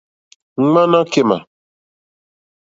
Ŋwánâ kémà.